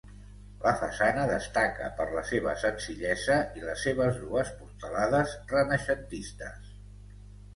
La façana destaca per la seva senzillesa i les seves dues portalades renaixentistes.